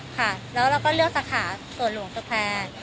ค่ะแล้วเราก็เลือกสาขาสวนหลวงสแควร์